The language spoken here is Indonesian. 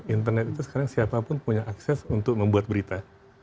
internet itu sekarang siapapun punya akses untuk membuat berita